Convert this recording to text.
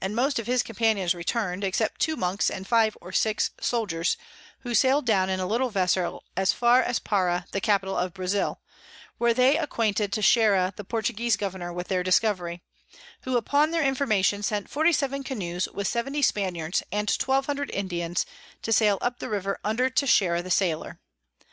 and most of his Companions return'd, except two Monks and five or six Soldiers, who sail'd down in a little Vessel as far as Para the Capital of Brazile; where they acquainted Texeira the Portuguese Governour with their Discovery: who upon their Information sent 47 Canoes with 70 Spaniards and 1200 Indians to sail up the River under Texeira the Sailor.